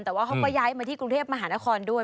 แต่ว่าเขาก็ย้ายมาที่กรุงเทพมหานครด้วย